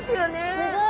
すごい！